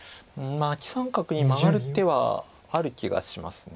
アキ三角にマガる手はある気がします。